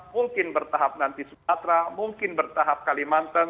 mungkin bertahap nanti sumatera mungkin bertahap kalimantan